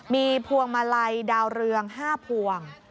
มีพวงมาลัยดาวเรือง๕พวง